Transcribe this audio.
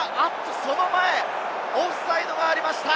その前にオフサイドがありました。